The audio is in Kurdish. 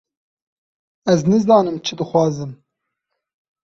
Ez nizanim çi dixwazim.